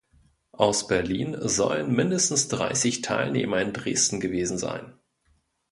Aus Berlin sollen mindestens dreißig Teilnehmer in Dresden gewesen sein.